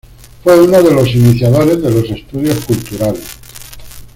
Fue uno de los iniciadores de los Estudios Culturales.